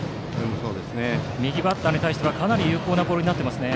右バッターに対してはかなり有効なボールになっていますね。